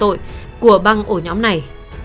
khi phạm tội của băng ổ nhóm này